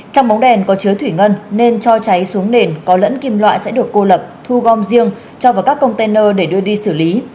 trong bóng đèn có chứa thủy ngân nên cho cháy xuống nền có lẫn kim loại sẽ được cô lập thu gom riêng cho vào các container để đưa đi xử lý